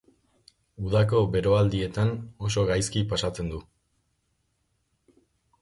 Udako beroaldietan oso gaizki pasatzen du.